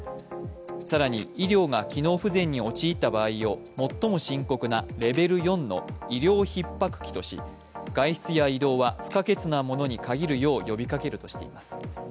更に医療が機能不全に陥った場合を最も深刻なレベル４の医療ひっ迫期とし外出や移動は不可欠なものに限るよう呼びかけるとしています。